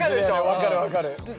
分かる分かる。